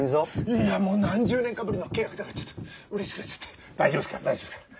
いやもう何十年かぶりの契約だからちょっとうれしくなっちゃって大丈夫ですから大丈夫ですから。